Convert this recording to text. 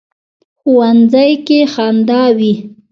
ښوونځی کې خندا وي